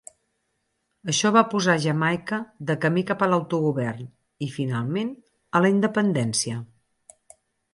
Això va posar Jamaica de camí cap a l'autogovern i, finalment, a la independència.